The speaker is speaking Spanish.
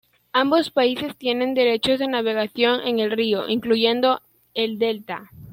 Ambos países tienen derechos de navegación en el río, incluyendo el delta.